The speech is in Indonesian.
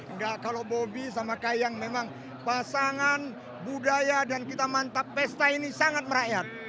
enggak kalau bobi sama kayang memang pasangan budaya dan kita mantap pesta ini sangat merakyat